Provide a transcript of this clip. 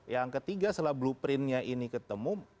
yang ketiga setelah blueprintnya ini ketemu